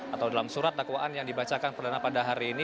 atau dalam surat dakwaan yang dibacakan perdana pada hari ini